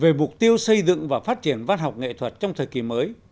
về mục tiêu xây dựng và phát triển văn học nghệ thuật trong thời kỳ mới